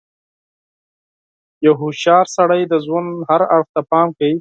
• یو هوښیار سړی د ژوند هر اړخ ته پام کوي.